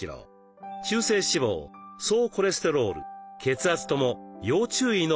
中性脂肪総コレステロール血圧とも要注意のレベルでした。